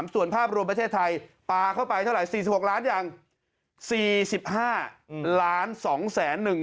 ส่วนภาพรวมประเทศไทยปลาเข้าไปเท่าไหร่๔๖ล้านยัง๔๕๒๑๐๐บาท